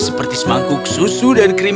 seperti semangkuk susu dan krim